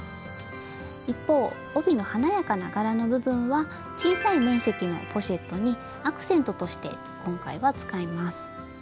一方帯の華やかな柄の部分は小さい面積のポシェットにアクセントとして今回は使います。